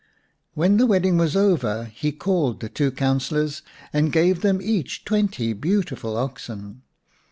When the wedding was over he called the two councillors and gave them each twenty beautiful oxen.